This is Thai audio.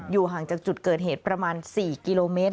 ห่างจากจุดเกิดเหตุประมาณ๔กิโลเมตร